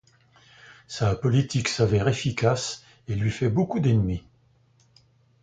Sa politique s'avère efficace et lui fait beaucoup d'ennemis.